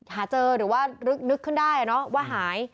หาเจอหรือว่ารึกนึกขึ้นได้อะเนอะว่าหาย